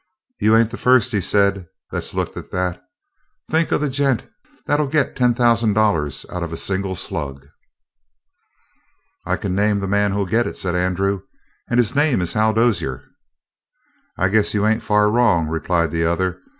"You ain't the first," he said, "that's looked at that. Think of the gent that'll get ten thousand dollars out of a single slug?" "I can name the man who'll get it," said Andrew, "and his name is Hal Dozier." "I guess you ain't far wrong," replied the other.